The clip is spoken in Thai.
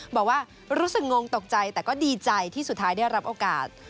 บอกว่ารู้สึกงงตกใจแต่ก็ดีใจที่สุดท้ายได้รับโอกาส